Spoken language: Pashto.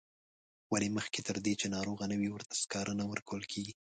ولې مخکې تر دې چې ناروغه نه وي ورته سکاره نه ورکول کیږي.